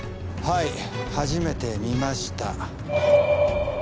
はい初めて見ました。